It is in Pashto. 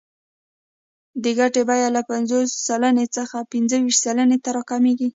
د ګټې بیه له پنځوس سلنې څخه پنځه ویشت سلنې ته راکمېږي